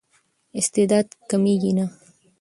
استعداد کمېږي نه.